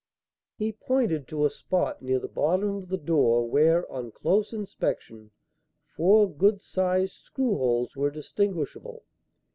He pointed to a spot near the bottom of the door where, on close inspection, four good sized screw holes were distinguishable.